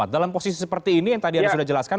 dalam posisi seperti ini yang tadi sudah anda jelaskan